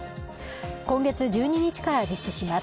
今月１２日から実施します。